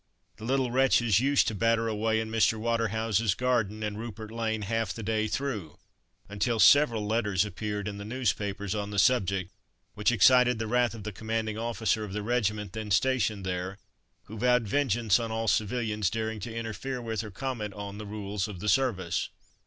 The little wretches used to batter away in Mr. Waterhouse's garden and Rupert lane half the day through, until several letters appeared in the newspapers on the subject, which excited the wrath of the commanding officer of the regiment then stationed there, who vowed vengeance on all civilians daring to interfere with, or comment on, the rules of the service.